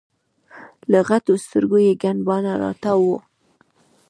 له غټو سترګو یي ګڼ باڼه راتاو وو